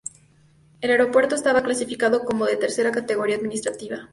El aeropuerto estaba clasificado como de tercera categoría administrativa.